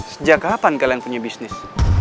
sejak kapan kalian punya bisnis